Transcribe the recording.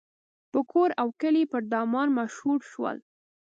په کور او کلي پر دامان مشهور شول.